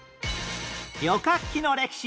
旅客機の歴史